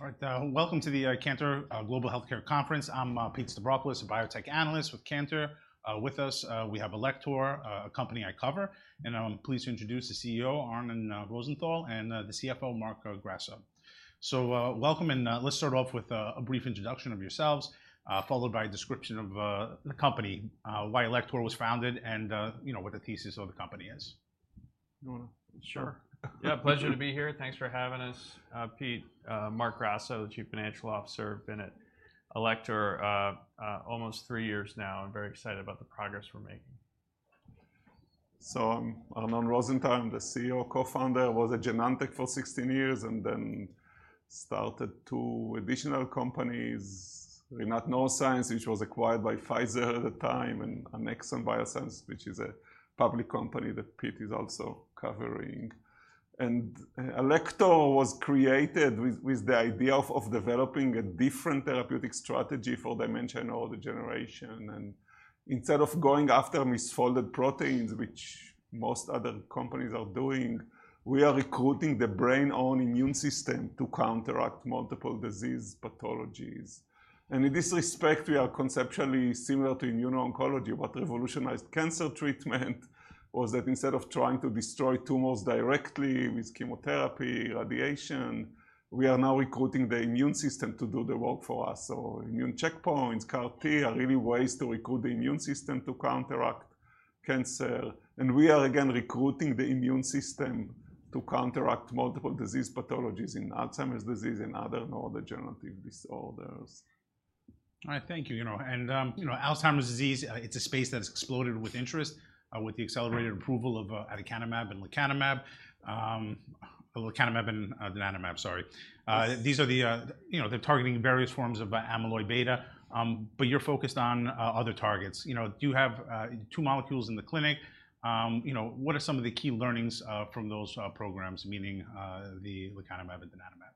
All right, welcome to the Cantor Global Healthcare Conference. I'm Pete Stavropoulos, a biotech analyst with Cantor. With us, we have Alector, a company I cover, and I'm pleased to introduce the CEO, Arnon Rosenthal, and the CFO, Marc Grasso. So, welcome, and let's start off with a brief introduction of yourselves, followed by a description of the company, why Alector was founded, and you know, what the thesis of the company is. You wanna? Sure. Yeah, pleasure to be here. Thanks for having us, Pete. Marc Grasso, the Chief Financial Officer. Been at Alector almost three years now, and very excited about the progress we're making. I'm Arnon Rosenthal. I'm the CEO, co-founder. I was at Genentech for 16 years, and then started two additional companies, Rinat Neuroscience, which was acquired by Pfizer at the time, and Annexon Biosciences, which is a public company that Pete is also covering. Alector was created with the idea of developing a different therapeutic strategy for dementia and neurodegeneration. Instead of going after misfolded proteins, which most other companies are doing, we are recruiting the brain's own immune system to counteract multiple disease pathologies. In this respect, we are conceptually similar to immuno-oncology. What revolutionized cancer treatment was that instead of trying to destroy tumors directly with chemotherapy, radiation, we are now recruiting the immune system to do the work for us. So immune checkpoints, CAR T, are really ways to recruit the immune system to counteract cancer, and we are again recruiting the immune system to counteract multiple disease pathologies in Alzheimer's disease and other neurodegenerative disorders. All right, thank you. You know, Alzheimer's disease, it's a space that's exploded with interest, with the accelerated- Right... approval of aducanumab and lecanemab, lecanemab and donanemab, sorry. Yes. These are the, you know, they're targeting various forms of amyloid beta, but you're focused on other targets. You know, do you have two molecules in the clinic? You know, what are some of the key learnings from those programs, meaning the lecanemab and donanemab?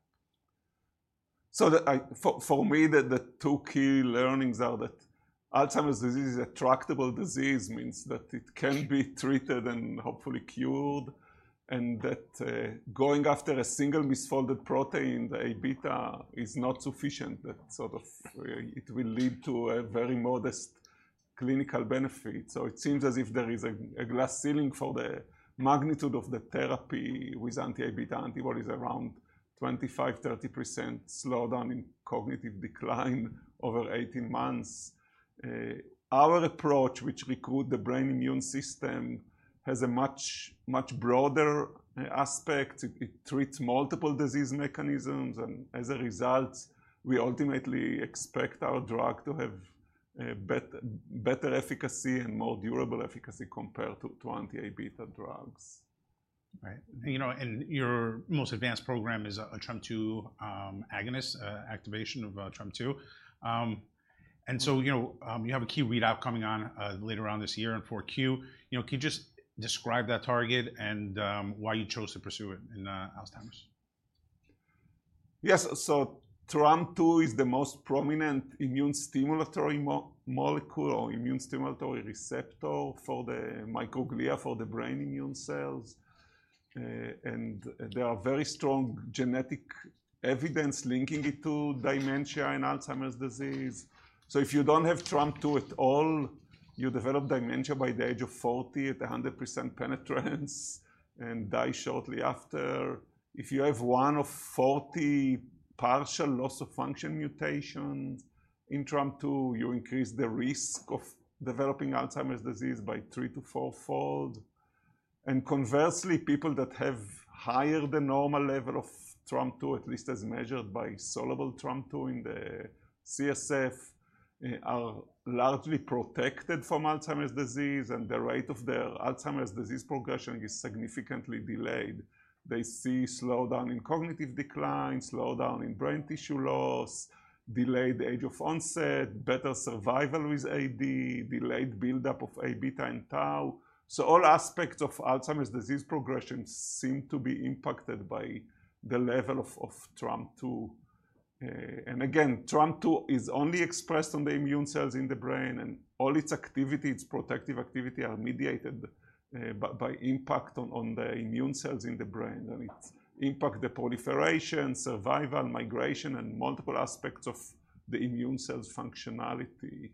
For me, the two key learnings are that Alzheimer's disease is a tractable disease, means that it can be treated and hopefully cured, and that going after a single misfolded protein, the Abeta, is not sufficient. That sort of it will lead to a very modest clinical benefit. It seems as if there is a glass ceiling for the magnitude of the therapy with anti-Abeta antibodies around 25%-30% slowdown in cognitive decline over 18 months. Our approach, which recruit the brain immune system, has a much broader aspect. It treats multiple disease mechanisms, and as a result, we ultimately expect our drug to have better efficacy and more durable efficacy compared to anti-Abeta drugs. Right. You know, and your most advanced program is a TREM2 agonist, activation of TREM2. And so, you know, you have a key readout coming on later on this year in Q4. You know, can you just describe that target and why you chose to pursue it in Alzheimer's? Yes. So TREM2 is the most prominent immune stimulatory molecule or immune stimulatory receptor for the microglia, for the brain immune cells. And there are very strong genetic evidence linking it to dementia and Alzheimer's disease. So if you don't have TREM2 at all, you develop dementia by the age of forty at a 100% penetrance, and die shortly after. If you have one of forty partial loss of function mutations in TREM2, you increase the risk of developing Alzheimer's disease by three- to fourfold. And conversely, people that have higher than normal level of TREM2, at least as measured by soluble TREM2 in the CSF, are largely protected from Alzheimer's disease, and the rate of their Alzheimer's disease progression is significantly delayed. They see slowdown in cognitive decline, slowdown in brain tissue loss, delayed age of onset, better survival with AD, delayed buildup of Abeta and tau. So all aspects of Alzheimer's disease progression seem to be impacted by the level of TREM2. And again, TREM2 is only expressed on the immune cells in the brain, and all its activity, its protective activity, are mediated by impact on the immune cells in the brain, and it impact the proliferation, survival, migration, and multiple aspects of the immune cells' functionality.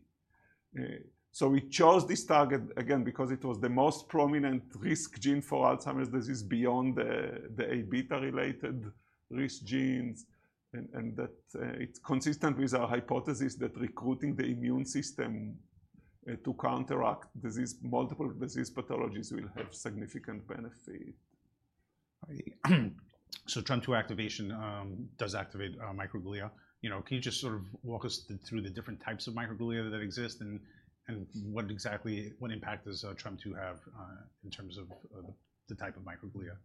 So we chose this target, again, because it was the most prominent risk gene for Alzheimer's disease beyond the Abeta-related risk genes. And that it's consistent with our hypothesis that recruiting the immune system to counteract disease, multiple disease pathologies will have significant benefit. Right. So TREM2 activation does activate microglia. You know, can you just sort of walk us through the different types of microglia that exist, and what exactly, what impact does TREM2 have in terms of the type of microglia?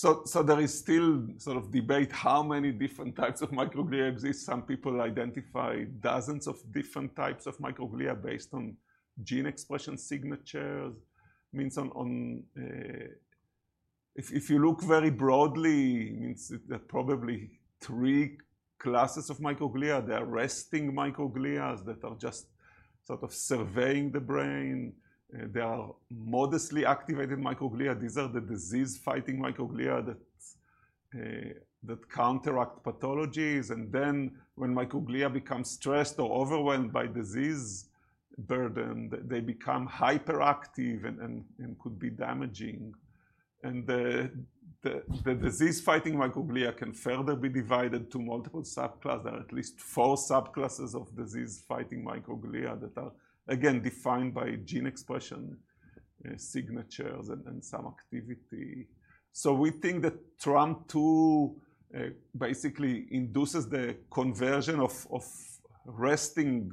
There is still sort of debate how many different types of microglia exist. Some people identify dozens of different types of microglia based on gene expression signatures. I mean, if you look very broadly, there are probably three classes of microglia. There are resting microglia that are just sort of surveying the brain. There are modestly activated microglia. These are the disease-fighting microglia that counteract pathologies. And then when microglia become stressed or overwhelmed by disease burden, they become hyperactive and could be damaging. And the disease-fighting microglia can further be divided to multiple subclasses. There are at least four subclasses of disease-fighting microglia that are, again, defined by gene expression signatures and some activity. We think that TREM2 basically induces the conversion of resting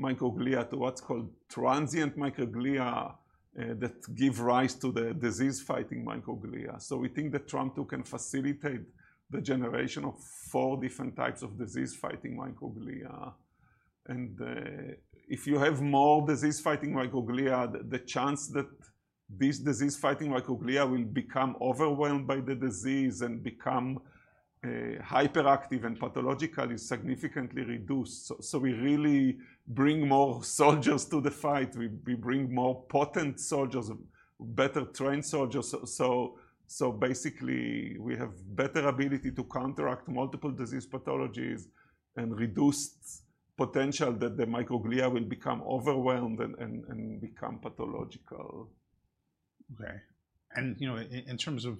microglia to what's called transient microglia that give rise to the disease-fighting microglia. We think that TREM2 can facilitate the generation of four different types of disease-fighting microglia. If you have more disease-fighting microglia, the chance that these disease-fighting microglia will become overwhelmed by the disease and become hyperactive and pathological is significantly reduced. We really bring more soldiers to the fight. We bring more potent soldiers, better-trained soldiers. Basically, we have better ability to counteract multiple disease pathologies and reduce potential that the microglia will become overwhelmed and become pathological. Okay. And, you know, in terms of,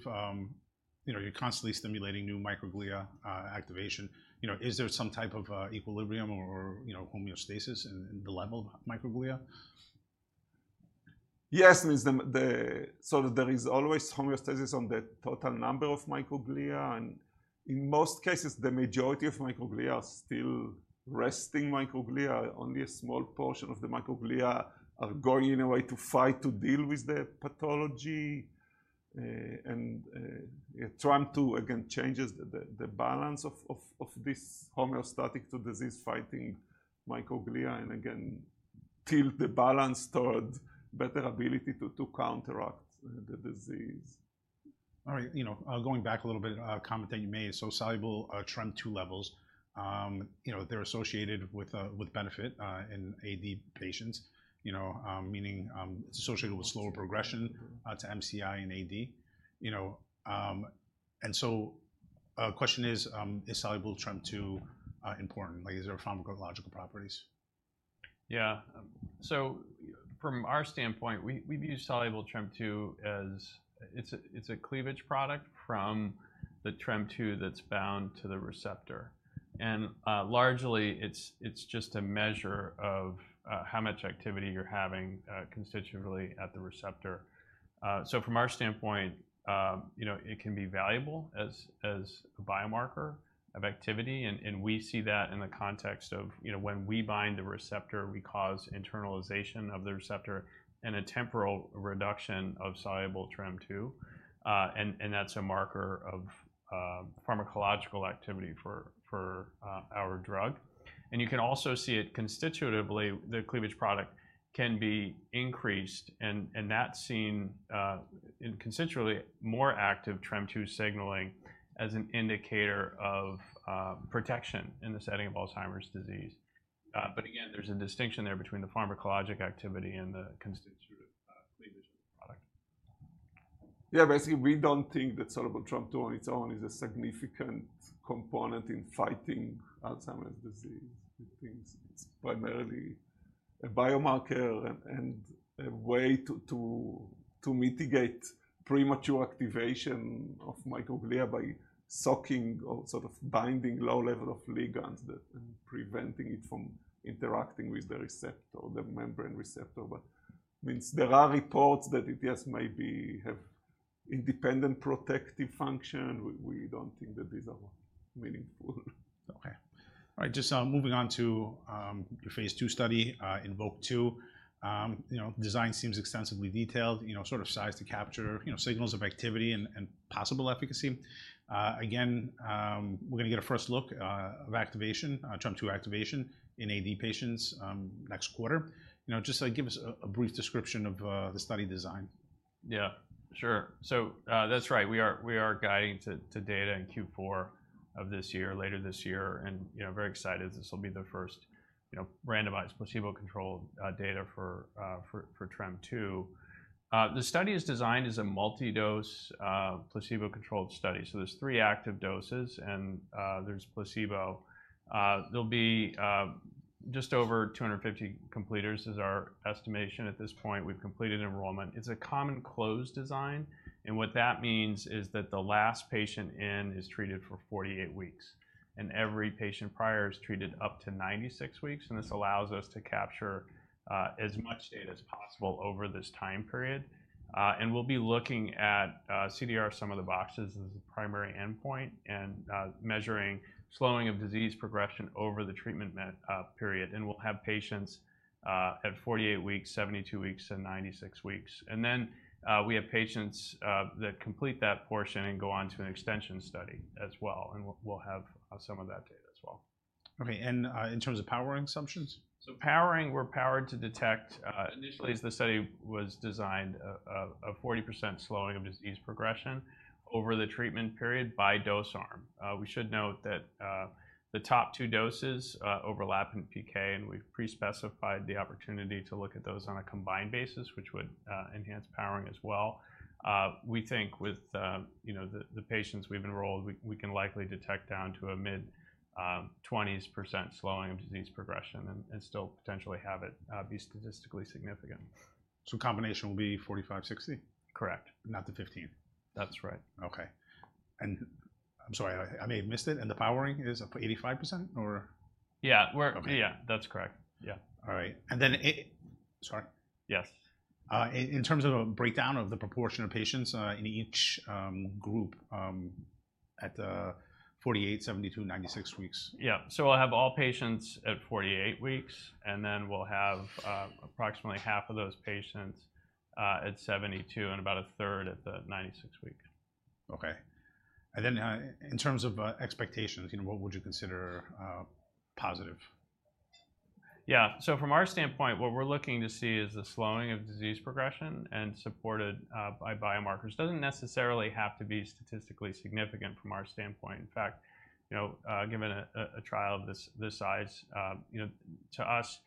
you know, you're constantly stimulating new microglia activation. You know, is there some type of equilibrium or, you know, homeostasis in the level of microglia? Yes, I mean, so there is always homeostasis on the total number of microglia, and in most cases, the majority of microglia are still resting microglia. Only a small portion of the microglia are going in a way to fight, to deal with the pathology, and TREM2 again changes the balance of this homeostatic to disease-fighting microglia, and again, tilt the balance towards better ability to counteract the disease. All right. You know, going back a little bit, a comment that you made, so soluble TREM2 levels. You know, they're associated with benefit in AD patients, you know, meaning it's associated with slower progression- Mm-hmm. to MCI and AD. You know, and so, question is, is soluble TREM2 important? Like, is there pharmacological properties? Yeah. So from our standpoint, we view soluble TREM2 as it's a cleavage product from the TREM2 that's bound to the receptor. And largely, it's just a measure of how much activity you're having constitutively at the receptor. So from our standpoint, you know, it can be valuable as a biomarker of activity, and we see that in the context of, you know, when we bind the receptor, we cause internalization of the receptor and a temporal reduction of soluble TREM2. And that's a marker of pharmacological activity for our drug. And you can also see it constitutively, the cleavage product can be increased, and that's seen in constitutively more active TREM2 signaling as an indicator of protection in the setting of Alzheimer's disease. But again, there's a distinction there between the pharmacologic activity and the constitutive cleavage of the product. Yeah, basically, we don't think that soluble TREM2 on its own is a significant component in fighting Alzheimer's disease. We think it's primarily a biomarker and a way to mitigate premature activation of microglia by soaking or sort of binding low level of ligands and preventing it from interacting with the receptor, the membrane receptor. But there are reports that it does maybe have independent protective function. We don't think that these are meaningful. Okay. All right, just moving on to the phase II study, INVOKE-2. You know, design seems extensively detailed, you know, sort of size to capture, you know, signals of activity and possible efficacy. Again, we're gonna get a first look of activation, TREM2 activation in AD patients, next quarter. You know, just give us a brief description of the study design. Yeah, sure. So, that's right. We are guiding to data in Q4 of this year, later this year, and, you know, very excited. This will be the first, you know, randomized placebo-controlled data for TREM2. The study is designed as a multi-dose placebo-controlled study. So there's three active doses, and there's placebo. There'll be just over 250 completers is our estimation at this point. We've completed enrollment. It's a common closed design, and what that means is that the last patient in is treated for 48 weeks, and every patient prior is treated up to 96 weeks, and this allows us to capture as much data as possible over this time period. And we'll be looking at CDR-Sum of Boxes as the primary endpoint and measuring slowing of disease progression over the treatment period. And we'll have patients at 48 weeks, 72 weeks, and 96 weeks. And then we have patients that complete that portion and go on to an extension study as well, and we'll have some of that data as well.... Okay, and, in terms of powering assumptions? So powering, we're powered to detect initially, as the study was designed, a 40% slowing of disease progression over the treatment period by dose arm. We should note that the top two doses overlap in PK, and we've pre-specified the opportunity to look at those on a combined basis, which would enhance powering as well. We think with you know the patients we've enrolled, we can likely detect down to a mid-twenties percent slowing of disease progression and still potentially have it be statistically significant. Combination will be 45, 60? Correct. Not the 15. That's right. Okay. I'm sorry, I may have missed it, and the powering is up to 85%, or? Yeah, we're- Okay. Yeah, that's correct. Yeah. All right. Sorry. Yes. In terms of a breakdown of the proportion of patients in each group at forty-eight, seventy-two, ninety-six weeks. Yeah. So we'll have all patients at 48 weeks, and then we'll have approximately half of those patients at 72, and about a third at the 96-week. Okay. And then, in terms of, expectations, you know, what would you consider, positive? Yeah. So from our standpoint, what we're looking to see is the slowing of disease progression and supported by biomarkers. Doesn't necessarily have to be statistically significant from our standpoint. In fact, you know, given a trial this size, you know, to us,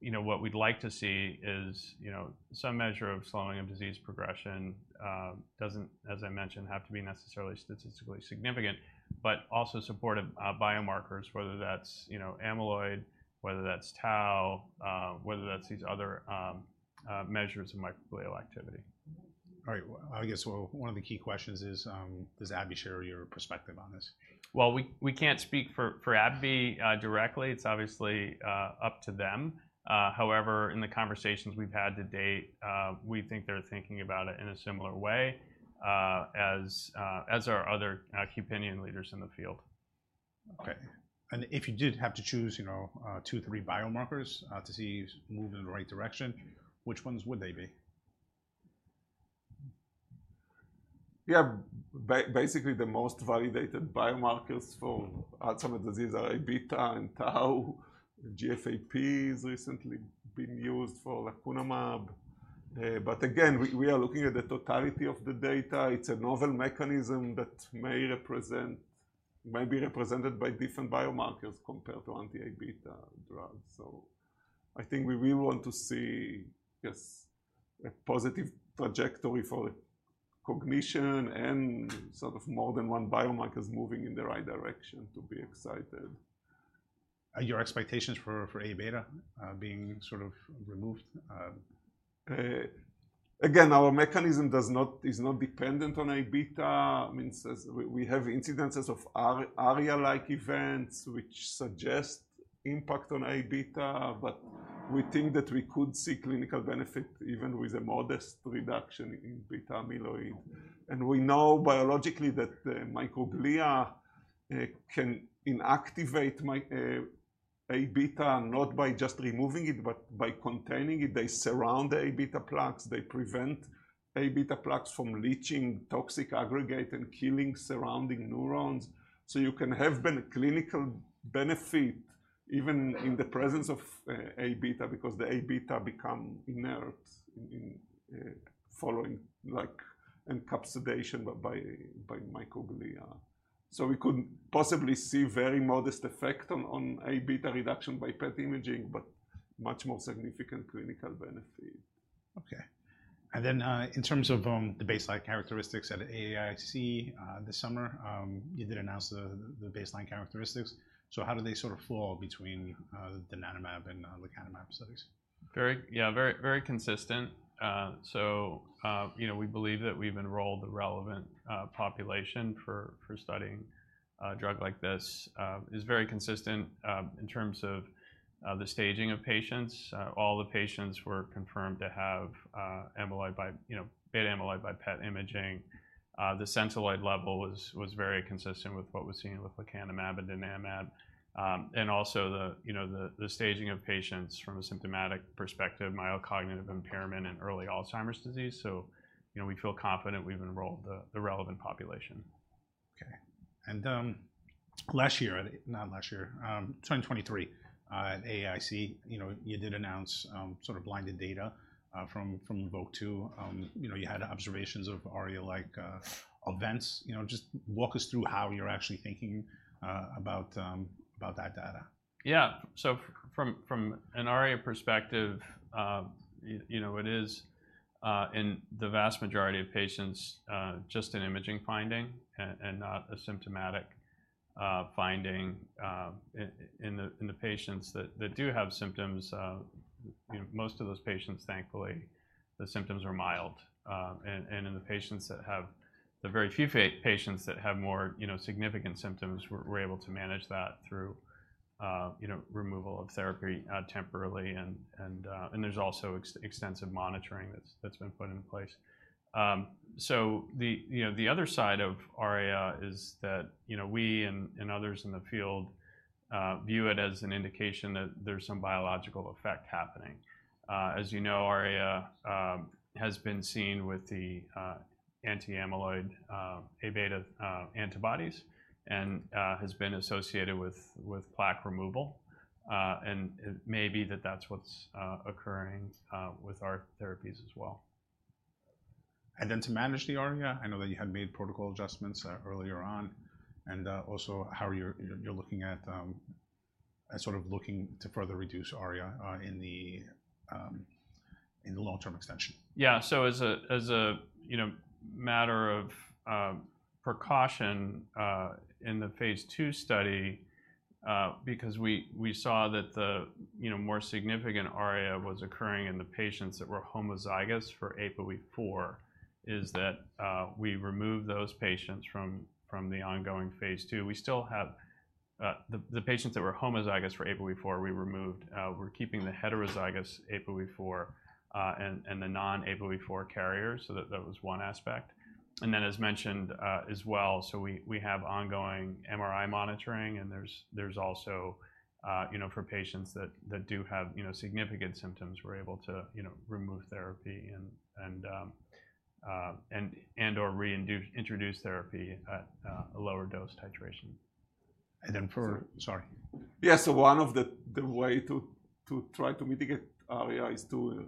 you know, what we'd like to see is, you know, some measure of slowing of disease progression. Doesn't, as I mentioned, have to be necessarily statistically significant, but also supportive of biomarkers, whether that's, you know, amyloid, whether that's tau, whether that's these other measures of microglial activity. All right. I guess one of the key questions is: Does AbbVie share your perspective on this? We can't speak for AbbVie directly. It's obviously up to them. However, in the conversations we've had to date, we think they're thinking about it in a similar way as are other key opinion leaders in the field. Okay. And if you did have to choose, you know, two, three biomarkers, to see you move in the right direction, which ones would they be? Yeah. Basically, the most validated biomarkers for- Mm... Alzheimer's disease are Abeta and tau. GFAP has recently been used for lecanemab. But again, we are looking at the totality of the data. It's a novel mechanism that may be represented by different biomarkers compared to anti-Abeta drugs. So I think we will want to see, yes, a positive trajectory for cognition and sort of more than one biomarkers moving in the right direction to be excited. Are your expectations for Abeta being sort of removed...? Again, our mechanism does not, is not dependent on Abeta. Meaning as we have incidences of ARIA-like events, which suggest impact on Abeta, but we think that we could see clinical benefit even with a modest reduction in beta amyloid. We know biologically that the microglia can inactivate Abeta, not by just removing it, but by containing it. They surround the Abeta plaques. They prevent Abeta plaques from leaching toxic aggregate and killing surrounding neurons. You can have clinical benefit even in the presence of Abeta, because the Abeta become inert following, like, encapsidation by microglia. We could possibly see very modest effect on Abeta reduction by PET imaging, but much more significant clinical benefit. Okay. And then, in terms of, the baseline characteristics at INVOKE, this summer, you did announce the baseline characteristics. So how do they sort of fall between, the donanemab and, lecanemab studies? Very... Yeah, very, very consistent. So, you know, we believe that we've enrolled the relevant population for studying a drug like this. It's very consistent in terms of the staging of patients. All the patients were confirmed to have amyloid beta by PET imaging. The Centiloid level was very consistent with what we're seeing with lecanemab and donanemab. And also the staging of patients from a symptomatic perspective, mild cognitive impairment, and early Alzheimer's disease. So, you know, we feel confident we've enrolled the relevant population. Okay. And, last year, not last year, 2023, at AAIC, you know, you did announce sort of blinded data from INVOKE-2. You know, you had observations of ARIA-like events. You know, just walk us through how you're actually thinking about that data. Yeah, so from an ARIA perspective, you know, it is in the vast majority of patients just an imaging finding and not a symptomatic finding. In the patients that do have symptoms, you know, most of those patients, thankfully, the symptoms are mild, and in the very few patients that have more, you know, significant symptoms, we're able to manage that through, you know, removal of therapy temporarily, and there's also extensive monitoring that's been put in place, so the other side of ARIA is that, you know, we and others in the field view it as an indication that there's some biological effect happening. As you know, ARIA has been seen with the anti-amyloid Abeta antibodies and has been associated with plaque removal. And it may be that that's what's occurring with our therapies as well.... And then to manage the ARIA, I know that you had made protocol adjustments earlier on, and also how you're looking at sort of looking to further reduce ARIA in the long-term extension. Yeah, so as a you know matter of precaution in the phase two study because we saw that the you know more significant ARIA was occurring in the patients that were homozygous for APOE4 so that we removed those patients from the ongoing phase two. We still have the patients that were homozygous for APOE4 we removed. We're keeping the heterozygous APOE4 and the non-APOE4 carriers so that was one aspect, and then as mentioned as well so we have ongoing MRI monitoring and there's also you know for patients that do have you know significant symptoms we're able to you know remove therapy and/or reintroduce therapy at a lower dose titration. Sorry. Yeah. So one of the way to try to mitigate ARIA is to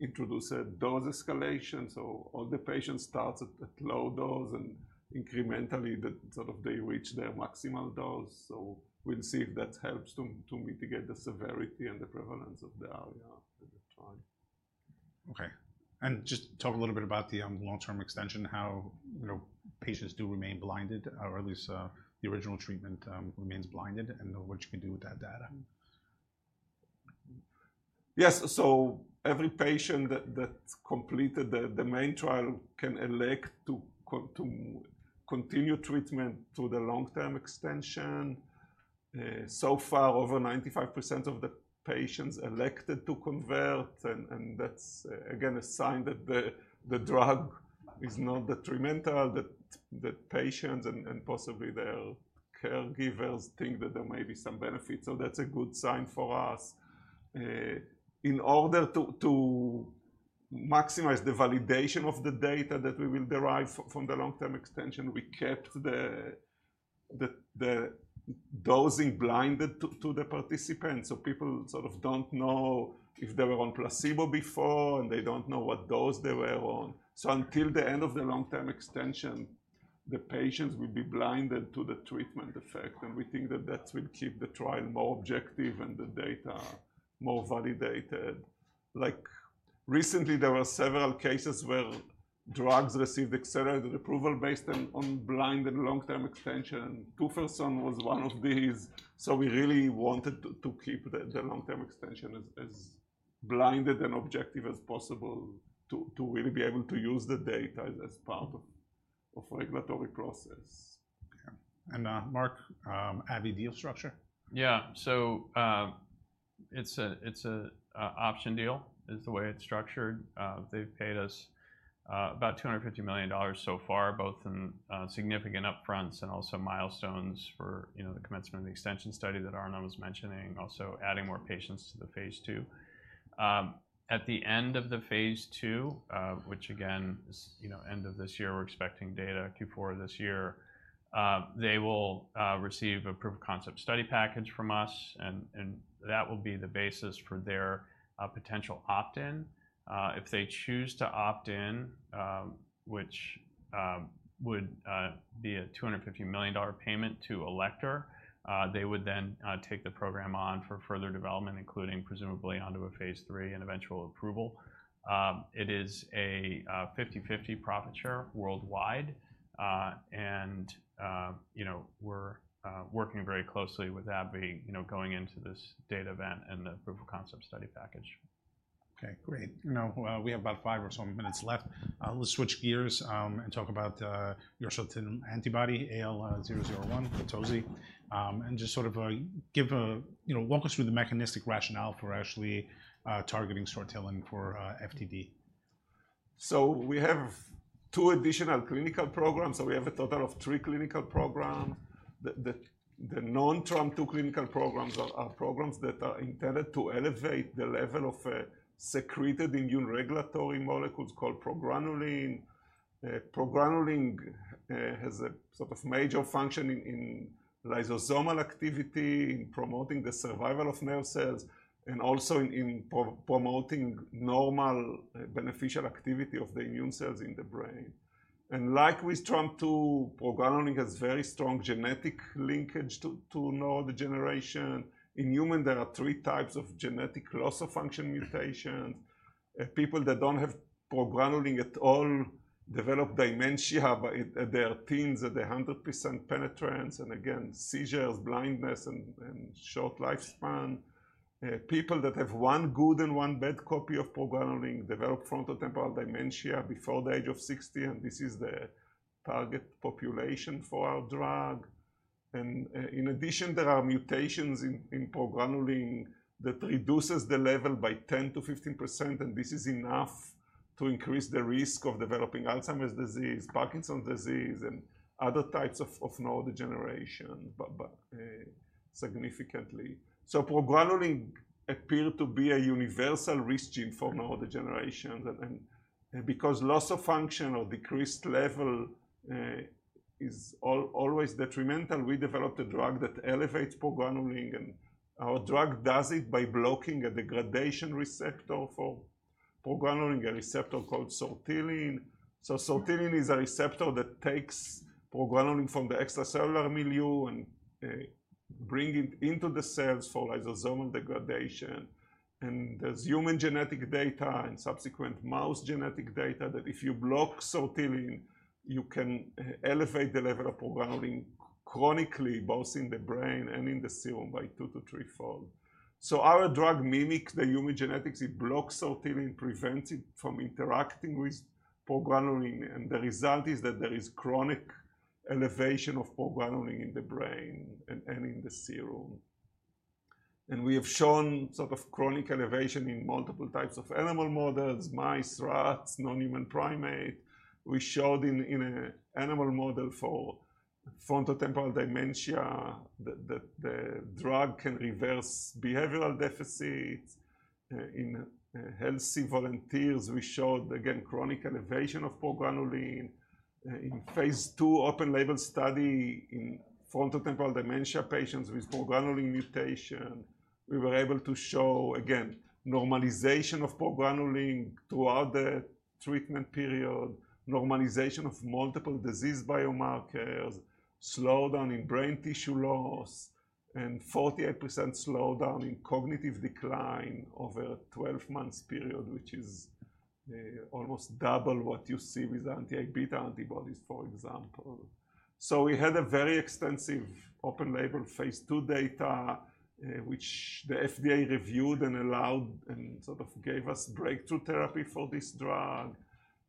introduce a dose escalation. So all the patients starts at low dose, and incrementally that sort of they reach their maximal dose. So we'll see if that helps to mitigate the severity and the prevalence of the ARIA at the time. Okay. And just talk a little bit about the long-term extension, how, you know, patients do remain blinded, or at least, the original treatment remains blinded, and what you can do with that data. Yes. So every patient that completed the main trial can elect to continue treatment to the long-term extension. So far, over 95% of the patients elected to convert, and that's, again, a sign that the drug is not detrimental, that patients and possibly their caregivers think that there may be some benefit, so that's a good sign for us. In order to maximize the validation of the data that we will derive from the long-term extension, we kept the dosing blinded to the participants. So people sort of don't know if they were on placebo before, and they don't know what dose they were on. So until the end of the long-term extension, the patients will be blinded to the treatment effect, and we think that that will keep the trial more objective and the data more validated. Like recently, there were several cases where drugs received accelerated approval based on blind and long-term extension. Tofersen was one of these, so we really wanted to keep the long-term extension as blinded and objective as possible to really be able to use the data as part of regulatory process. Yeah, and Marc, AbbVie deal structure? Yeah. So, it's an option deal, is the way it's structured. They've paid us about $250 million so far, both in significant upfronts and also milestones for, you know, the commencement of the extension study that Arnon was mentioning, also adding more patients to the phase 2. At the end of the phase 2, which again is, you know, end of this year, we're expecting data Q4 of this year. They will receive a proof of concept study package from us, and that will be the basis for their potential opt-in. If they choose to opt-in, which would be a $250 million payment to Alector, they would then take the program on for further development, including presumably onto a phase 3 and eventual approval. It is a 50-50 profit share worldwide, and you know, we're working very closely with AbbVie, you know, going into this data event and the proof of concept study package. Okay, great. You know, we have about five or so minutes left. Let's switch gears, and talk about your sortilin antibody, AL001, latozinemab. And just sort of give a... You know, walk us through the mechanistic rationale for actually targeting sortilin for FTD. So we have two additional clinical programs, so we have a total of three clinical programs. The non-TREM2 clinical programs are programs that are intended to elevate the level of secreted immune regulatory molecules called progranulin. Progranulin has a sort of major function in lysosomal activity, in promoting the survival of nerve cells, and also in promoting normal beneficial activity of the immune cells in the brain. And like with TREM2, progranulin has very strong genetic linkage to neurodegeneration. In humans, there are three types of genetic loss-of-function mutations. People that don't have progranulin at all develop dementia by their teens at 100% penetrance, and again, seizures, blindness, and short lifespan. People that have one good and one bad copy of progranulin develop frontotemporal dementia before the age of 60, and this is the target population for our drug. In addition, there are mutations in progranulin that reduces the level by 10%-15%, and this is enough to increase the risk of developing Alzheimer's disease, Parkinson's disease, and other types of neurodegeneration, but significantly. Progranulin appear to be a universal risk gene for neurodegeneration, and because loss of function or decreased level is always detrimental. We developed a drug that elevates progranulin, and our drug does it by blocking a degradation receptor for progranulin, a receptor called sortilin. Sortilin is a receptor that takes progranulin from the extracellular milieu, and bring it into the cells for lysosomal degradation. There's human genetic data and subsequent mouse genetic data, that if you block sortilin, you can elevate the level of progranulin chronically, both in the brain and in the serum, by two- to threefold. So our drug mimics the human genetics. It blocks sortilin, prevents it from interacting with progranulin, and the result is that there is chronic elevation of progranulin in the brain and in the serum. We have shown sort of chronic elevation in multiple types of animal models, mice, rats, non-human primate. We showed in an animal model for frontotemporal dementia that the drug can reverse behavioral deficits. In healthy volunteers, we showed again chronic elevation of progranulin. In phase 2 open label study in frontotemporal dementia patients with progranulin mutation, we were able to show, again, normalization of progranulin throughout the treatment period, normalization of multiple disease biomarkers, slowdown in brain tissue loss, and 48% slowdown in cognitive decline over a 12 months period, which is almost double what you see with anti-beta antibodies, for example. So we had a very extensive open label phase 2 data, which the FDA reviewed and allowed and sort of gave us breakthrough therapy for this drug.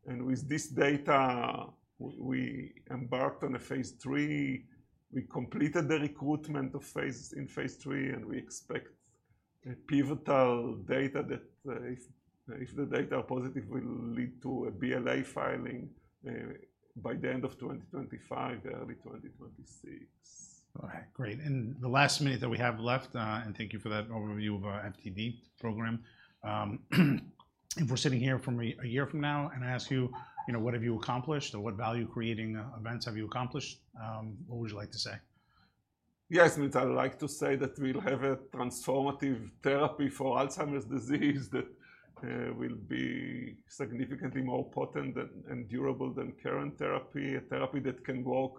And with this data, we embarked on a phase 3. We completed the recruitment of phase 3, and we expect the pivotal data that, if the data are positive, will lead to a BLA filing by the end of 2025, early 2026. All right, great. And the last minute that we have left, and thank you for that overview of our FTD program. If we're sitting here from a year from now, and I ask you, you know, what have you accomplished, or what value-creating events have you accomplished, what would you like to say? Yes, I would like to say that we'll have a transformative therapy for Alzheimer's disease that will be significantly more potent than, and durable than current therapy. A therapy that can work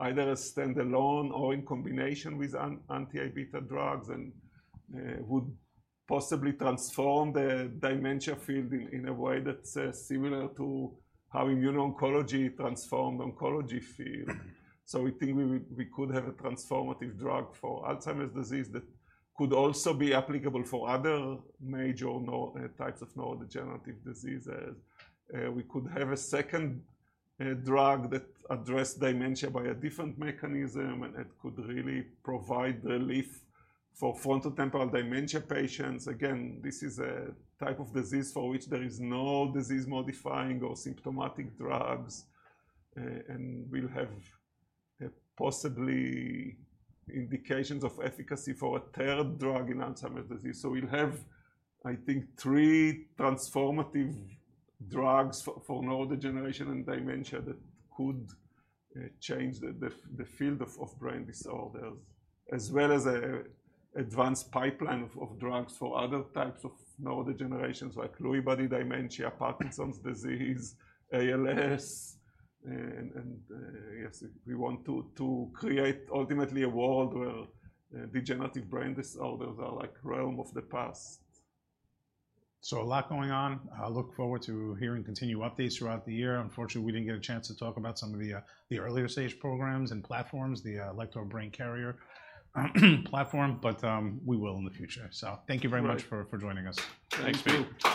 either as standalone or in combination with anti-beta drugs, and would possibly transform the dementia field in a way that's similar to how immuno-oncology transformed oncology field. So we think we could have a transformative drug for Alzheimer's disease that could also be applicable for other major types of neurodegenerative diseases. We could have a second drug that address dementia by a different mechanism, and it could really provide relief for frontotemporal dementia patients. Again, this is a type of disease for which there is no disease-modifying or symptomatic drugs. And we'll have possibly indications of efficacy for a third drug in Alzheimer's disease. So we'll have, I think, three transformative drugs for neurodegeneration and dementia that could change the field of brain disorders, as well as an advanced pipeline of drugs for other types of neurodegenerations, like Lewy body dementia, Parkinson's disease, ALS. Yes, we want to create ultimately a world where degenerative brain disorders are like the realm of the past. So a lot going on. I look forward to hearing continued updates throughout the year. Unfortunately, we didn't get a chance to talk about some of the earlier stage programs and platforms, the Alector Brain-Carrier platform, but we will in the future. So thank you very much- Great... for joining us. Thanks to you.